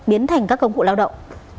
biến thành các công cụ lao động